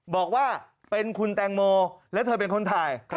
บอกว่าเป็นคุณแตงโมและเธอเป็นคนถ่าย